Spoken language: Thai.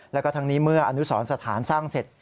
แล้วก็ทั้งนี้เมื่ออนุสรสถานสร้างเสร็จ